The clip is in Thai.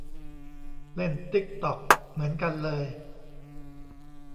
เล่นติ๊กต็อกเหมือนกันเลย